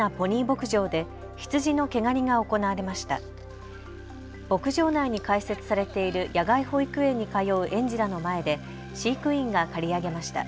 牧場内に開設されている野外保育園に通う園児らの前で飼育員が刈り上げました。